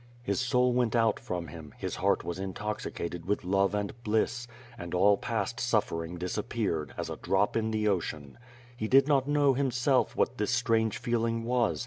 His soul went out from him, his heart was intoxicated with love and bliss; and all past suffering disappeared, as a drop in the ocean. He did not know, himself, what this strange feeling was.